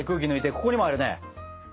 ここにもあるね。